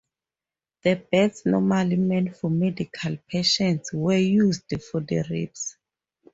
The beds normally meant for medical patients were used for the rapes.